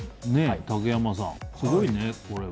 竹山さん、すごいね、これは。